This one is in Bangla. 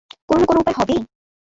কোনো না কোনো উপায় হবেই?